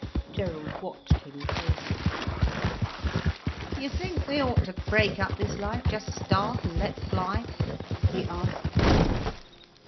Gerald watched him closely. "You think we ought to break up this life, just start and let fly?" he asked.